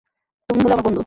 তুমি হলে আমার বন্ধু।